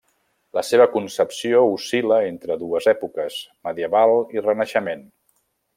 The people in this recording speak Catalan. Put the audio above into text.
La seva concepció oscil·la entre dues èpoques, medieval i renaixement.